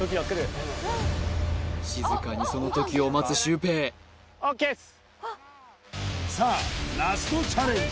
静かにその時を待つシュウペイＯＫっすさあラストチャレンジ